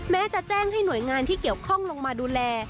แม้จะแจ้งให้หน่วยงานที่เกี่ยวข้องลงมาดูแล